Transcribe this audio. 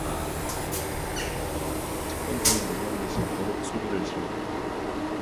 첫째는 놀란 듯이 버럭 소리를 질렀다.